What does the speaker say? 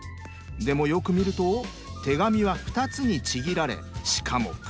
でもよく見ると手紙は２つにちぎられしかもクシャクシャ。